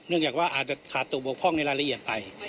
จากว่าอาจจะขาดตัวบกพ่องในรายละเอียดไป